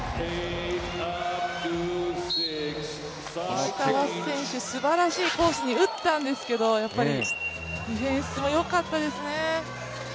石川選手、すばらしいコースに打ったんですけどやっぱりディフェンスもよかったですね。